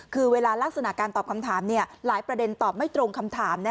คือเวลาลักษณะการตอบคำถามหลายประเด็นตอบไม่ตรงคำถาม